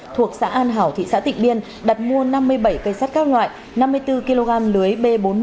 thuộc xã an hảo thị xã tịnh biên đặt mua năm mươi bảy cây sắt các loại năm mươi bốn kg lưới b bốn mươi